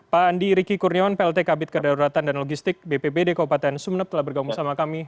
pak andi riki kurniawan plt kabit kedaulatan dan logistik bppd kabupaten sumnep telah bergaum bersama kami